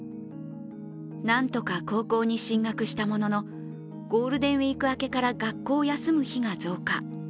なんとか高校に進学したもののゴールデンウイーク明けから学校を休む日が増加、